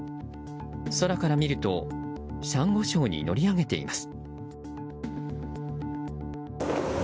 空から見るとサンゴ礁に乗り上げています。